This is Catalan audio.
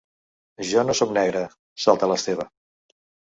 Jo no sóc negre —salta l'Esteve.